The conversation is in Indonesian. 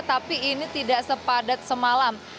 tapi ini tidak sepadat semalam